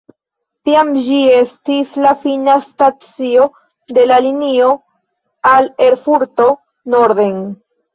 Tiam ĝi estis la fina stacio de la linio al Erfurto norden.